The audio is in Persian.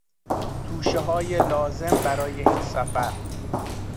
توشههای لازم برای این سفر